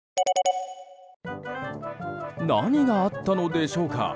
何があったのでしょうか？